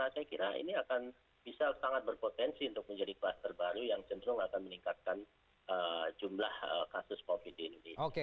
saya kira ini akan bisa sangat berpotensi untuk menjadi kelas terbaru yang cenderung akan meningkatkan